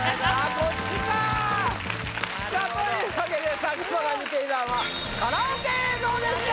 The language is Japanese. こっちかさあというわけで佐久間が見ていたんはカラオケ映像でした